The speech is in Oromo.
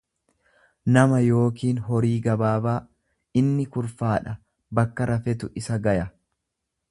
nama yookiin horii gabaabaa; Inni kurfaadha, bakka rafetu isa gaya.